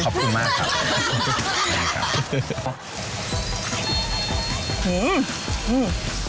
ขอบคุณมากครับ